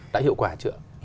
đã hiệu quả chưa